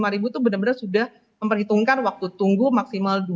dua puluh lima ribu itu benar benar sudah memperhitungkan waktu tunggu maksimal dua jam